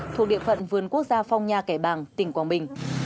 thuộc địa phận vườn quốc gia phong nha kẻ bàng tỉnh quảng bình